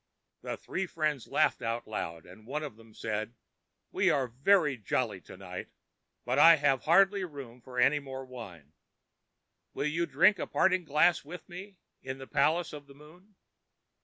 The three friends laughed loudly, and one of them said, ãWe are very jolly to night, but I have hardly room for any more wine. Will you drink a parting glass with me in the palace of the moon?